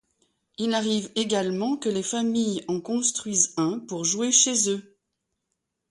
Il arrive également que les familles en construisent un pour jouer chez eux.